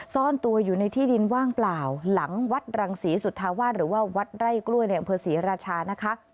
ซ่อนตัวอยู่ในที่ดินว่างเปล่าหลังวัดรังศรีสุธาวาสหรือว่าวัดไร่กล้วยในอำเภอศรีราชานะคะ